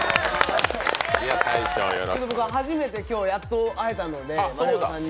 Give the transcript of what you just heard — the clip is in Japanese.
僕、初めてやっと会えたので、丸山さんに。